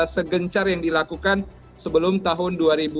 segencar yang dilakukan sebelum tahun dua ribu tujuh belas